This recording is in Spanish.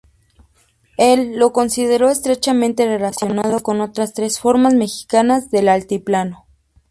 Él lo consideró estrechamente relacionado con otras tres formas mexicanas del altiplano.